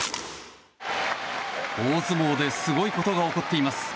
大相撲ですごいことが起こっています。